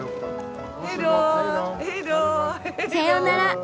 さようなら。